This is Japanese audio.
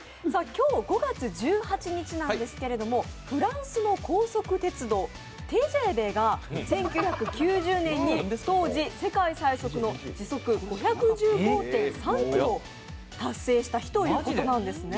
今日、５月１８日なんですけれども、フランスの高速鉄道ＴＧＶが１９９０年に当時、世界最速の時速５１５．３キロを達成した日なんですね。